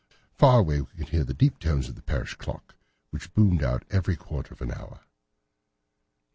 Far away we could hear the deep tones of the parish clock, which boomed out every quarter of an hour.